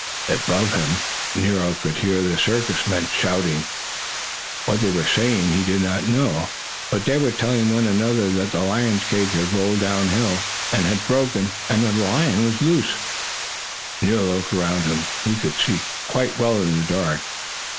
Up above him Nero could hear the circus men shouting. What they were saying he did not know, but they were telling one another that the lion's cage had rolled downhill, had broken, and that the lion was loose. Nero looked around him. He could see quite well in the dark.